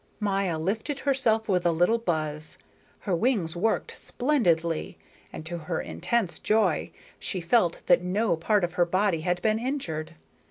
Maya lifted herself with a little buzz. Her wings worked splendidly, and to her intense joy she felt that no part of her body had been injured.